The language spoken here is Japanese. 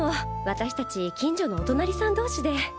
私たち近所のお隣さんどうしで。